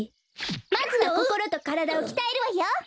まずはこころとからだをきたえるわよ！